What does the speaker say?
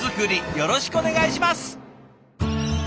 よろしくお願いします！